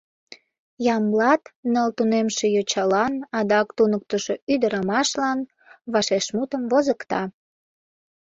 Ямблат ныл тунемше йочалан, адак туныктышо ӱдырамашлан вашешмутым возыкта.